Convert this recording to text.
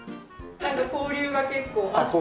交流が結構あって。